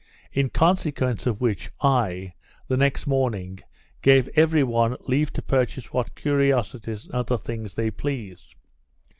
In consequence of which, I, the next morning, gave every one leave to purchase what curiosities and other things they pleased.